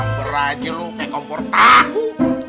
ngamber aja lu kaya kompor tahu